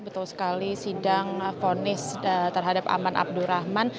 betul sekali sidang fonis terhadap aman abdurrahman